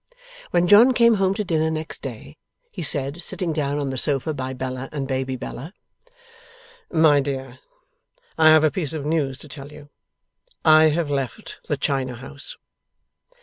When John came home to dinner next day, he said, sitting down on the sofa by Bella and baby Bella: 'My dear, I have a piece of news to tell you. I have left the China House.